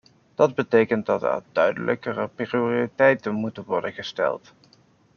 Dat betekent dat er duidelijkere prioriteiten moeten worden gesteld.